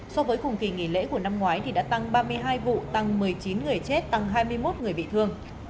so với cùng kỳ nghỉ lễ của năm ngoái đã tăng ba mươi hai vụ tăng một mươi chín người chết tăng hai mươi một người bị thương